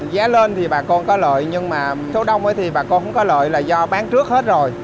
giá lên thì bà con có lợi nhưng mà số đông thì bà con không có lợi là do bán trước hết rồi